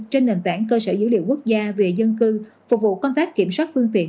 trên nền tảng cơ sở dữ liệu quốc gia về dân cư phục vụ công tác kiểm soát phương tiện